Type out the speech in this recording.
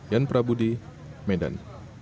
yan prabudi medan